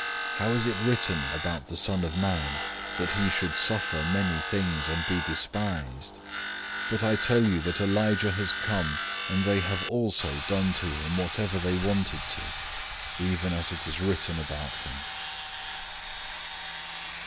How is it written about the Son of Man, that he should suffer many things and be despised? 009:013 But I tell you that Elijah has come, and they have also done to him whatever they wanted to, even as it is written about him."